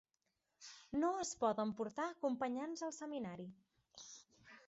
No es poden portar acompanyants al seminari.